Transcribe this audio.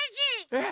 えっ？